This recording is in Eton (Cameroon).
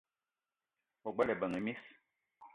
O gbele ebeng e miss :